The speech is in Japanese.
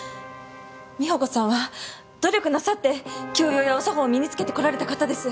美保子さんは努力なさって教養やお作法を身に付けてこられた方です。